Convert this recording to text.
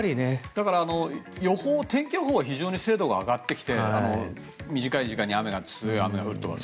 だから、天気予報は非常に精度が上がってきて短い時間に強い雨が降るとか。